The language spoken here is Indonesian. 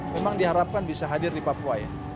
memang diharapkan bisa hadir di papua ya